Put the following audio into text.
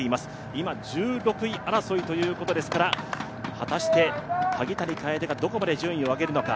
今、１６位争いということですから、果たして萩谷楓がどこまで順位を上げるのか。